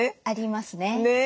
ありますね。